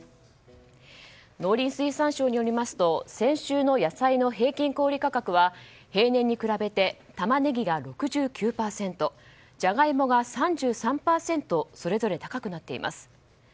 農林水産省によりますと先週の野菜の平均小売価格は平年に比べてタマネギが６９％ジャガイモが３３％それぞれ高くなっています。